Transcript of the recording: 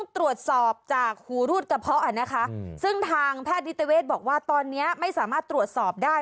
ตรวจสอบจากหูรูดกระเพาะนะคะซึ่งทางแพทย์นิติเวศบอกว่าตอนนี้ไม่สามารถตรวจสอบได้